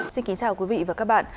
xin kính chào quý vị và các bạn